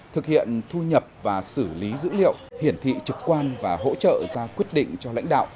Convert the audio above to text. thực hiện thu nhập và xử lý dữ liệu hiển thị trực quan và hỗ trợ ra quyết định cho lãnh đạo